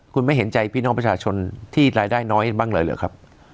คุณไม่เห็นใจพี่น้องประชาชนที่รายได้น้อยบ้างเลยหรือครับ